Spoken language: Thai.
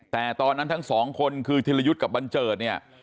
แต่ตอนนั้นทั้งสองคนคือธิรยุทธ์กับบันเจิดเนี่ย